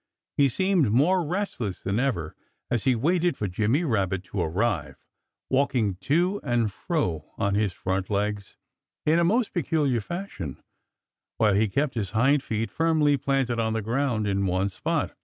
He seemed more restless than ever as he waited for Jimmy Rabbit to arrive, walking to and fro on his front legs in a most peculiar fashion, while he kept his hind feet firmly planted on the ground in one spot.